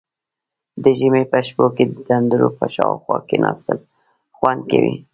د ژمي په شپو کې د تندور په شاوخوا کیناستل خوند کوي.